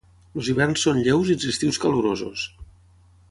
Els hiverns són lleus i els estius calorosos.